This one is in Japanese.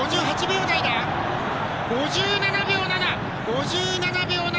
５７秒７。